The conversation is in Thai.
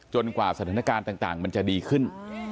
กว่าสถานการณ์ต่างมันจะดีขึ้น